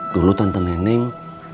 dulu tante neneng